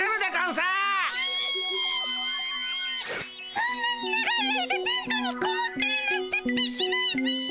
そんなに長い間テントにこもってるなんてできないっピ！